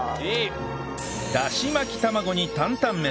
だし巻き卵に担々麺！